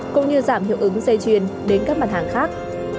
cũng như giảm hiệu ứng dây chuyền đến các mặt hàng khác